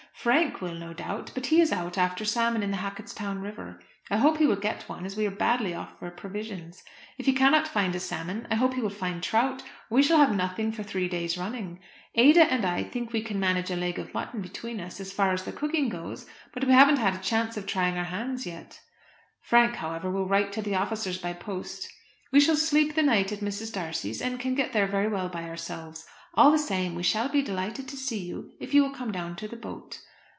Frank will, no doubt; but he is out after a salmon in the Hacketstown river. I hope he will get one, as we are badly off for provisions. If he cannot find a salmon, I hope he will find trout, or we shall have nothing for three days running. Ada and I think we can manage a leg of mutton between us, as far as the cooking goes, but we haven't had a chance of trying our hands yet. Frank, however, will write to the officers by post. We shall sleep the night at Mrs. D'Arcy's, and can get there very well by ourselves. All the same, we shall be delighted to see you, if you will come down to the boat.